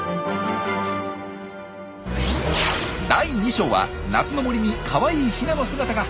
第２章は夏の森にかわいいヒナの姿が！